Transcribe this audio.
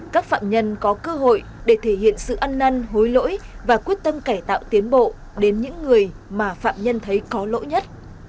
các phạm nhân có cơ hội để thể hiện sự ăn năn hối lỗi và quyết tâm cải tạo tiến bộ đến những người mà phạm nhân thấy có lỗi nhất